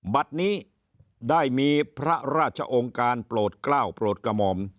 บัตรนี้ได้มีพระราชองค์การโปรดกล้าวโปรดกระหม่อม